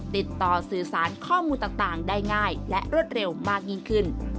ติดต่อสื่อสารข้อมูลต่างได้ง่ายและรวดเร็วมากยิ่งขึ้น